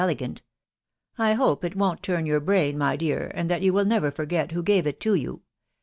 elegant. I hope it won't torn your brain, my dear, and that you wiH never forget who gave it to you.